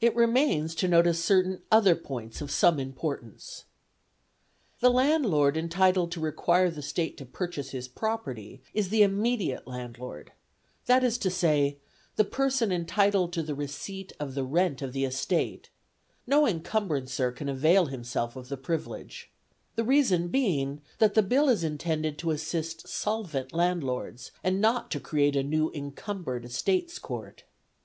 It remains to notice certain other points of some importance. The landlord entitled to require the State to purchase his property is the immediate landlord, that is to say, the person entitled to the receipt of the rent of the estate; no encumbrancer can avail himself of the privilege, the reason being that the Bill is intended to assist solvent landlords, and not to create a new Encumbered Estates Court.